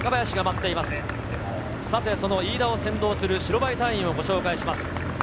飯田を先導する白バイ隊員をご紹介します。